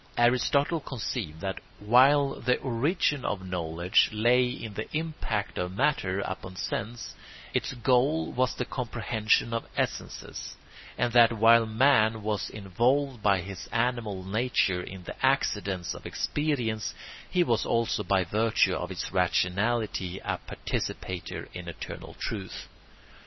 Aristotle conceived that while the origin of knowledge lay in the impact of matter upon sense its goal was the comprehension of essences, and that while man was involved by his animal nature in the accidents of experience he was also by virtue of his rationality a participator in eternal truth.